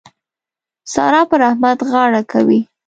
سارا پر احمد غاړه کوي.